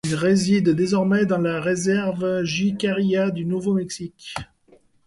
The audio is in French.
Ils résident désormais dans la réserve jicarilla du Nouveau-Mexique.